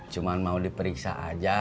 cuman mau diperiksa aja